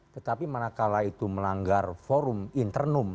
tetapi mana kala itu melanggar forum internum